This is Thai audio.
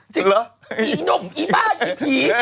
เหรออีหนุ่มอีบ้าอีผี